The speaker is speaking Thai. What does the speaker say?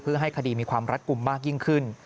เพื่อให้คดีมีความรัดกลุ่มมากยิ่งขึ้น